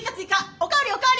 おかわりおかわり！